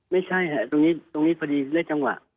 ไม่ใช่ครับตรงนี้ตรงนี้พอดีได้จังหวะ